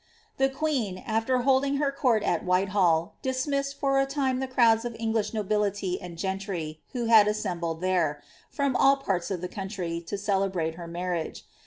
The queen, after holding her court at Whitehall, dismissed for a time the crowds of English nobility and gentry, who had assembled, from all parts of the country, to celebrate her marriage.